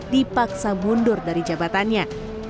dipaksa mundur dari jabatannya